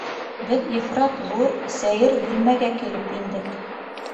Беҙ ифрат ҙур сәйер бүлмәгә килеп индек.